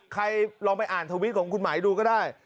ใครลองไปอ่านทวิตของคุณหมายดูก็ได้